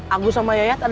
aku sama yayat ada info